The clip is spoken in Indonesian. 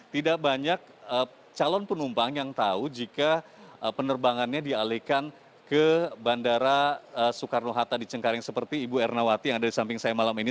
tidak banyak calon penumpang yang tahu jika penerbangannya dialihkan ke bandara soekarno hatta di cengkaring seperti ibu ernawati yang ada di samping saya malam ini